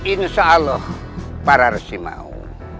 insya allah para resimau